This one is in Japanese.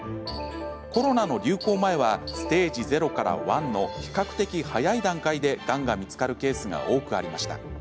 コロナの流行前はステージ０から１の比較的早い段階でがんが見つかるケースが多くありました。